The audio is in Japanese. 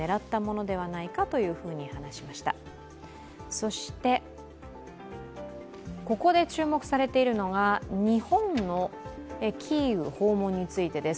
そしてここで注目されているのが日本のキーウ訪問についてです。